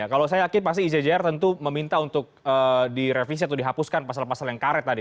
kalau saya yakin pasti icjr tentu meminta untuk direvisi atau dihapuskan pasal pasal yang karet tadi